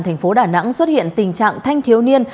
thành phố đà nẵng xuất hiện tình trạng thanh thiếu niên